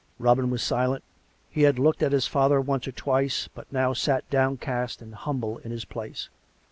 Robin was silent. He had looked at his father once or twice, but now sat downcast and humble in his place.